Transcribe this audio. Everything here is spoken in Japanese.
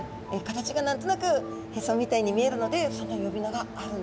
形が何となくへそみたいに見えるのでその呼び名があるんですね。